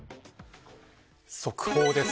速報です。